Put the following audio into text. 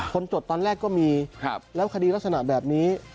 จดตอนแรกก็มีแล้วคดีลักษณะแบบนี้